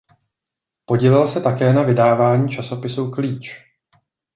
Podílel se také na vydávání časopisu "Klíč".